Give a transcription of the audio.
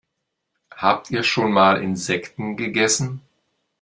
Habt ihr schon mal Insekten gegessen?